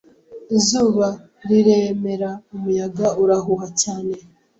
Izuba riremeraUmuyaga urahuha cyane